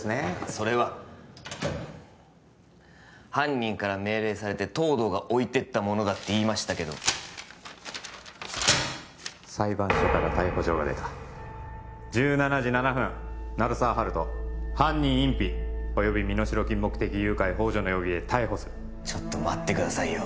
それは犯人から命令されて東堂が置いてったものだって言いましたけど裁判所から逮捕状が出た１７時７分鳴沢温人犯人隠避および身代金目的誘拐ほう助の容疑で逮捕するちょっと待ってくださいよ